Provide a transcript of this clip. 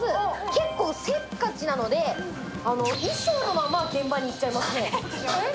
結構、せっかちなので、衣装のまま現場に行っちゃいますね。